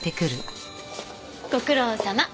ご苦労さま！